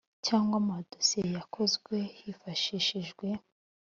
cyangwa amadosiye yakozwe hifashishijwe